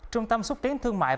trung tâm xúc tiến thương mại